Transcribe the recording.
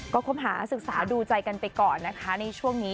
ก็คบหาศึกษาดูใจกันไปก่อนนะคะในช่วงนี้